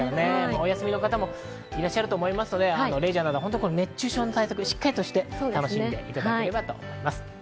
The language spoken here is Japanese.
お休みの方もいらっしゃると思いますので、レジャーなど熱中症の対策をしっかりして楽しんでいただけたらと思います。